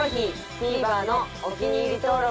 ＴＶｅｒのお気に入り登録